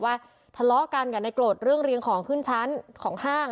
ว่าทะเลาะกันกับในโกรธเรื่องเรียงของขึ้นชั้นของห้าง